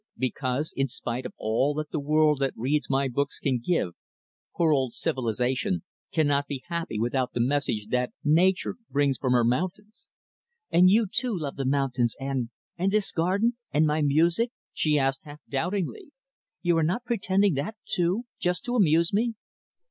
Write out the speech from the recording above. "Because, in spite of all that the world that reads my books can give, poor old 'Civilization' cannot be happy without the message that 'Nature' brings from her mountains." "And you, too, love the mountains and and this garden, and my music?" she asked half doubtingly. "You are not pretending that too just to amuse me?"